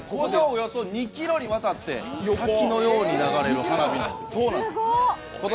およそ２ｋｍにわたって滝のように流れる花火なんです。